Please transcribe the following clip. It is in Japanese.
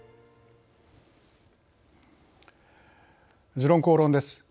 「時論公論」です。